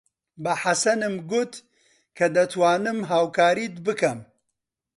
بە حەسەنم گوت کە دەتوانم هاوکاریت بکەم.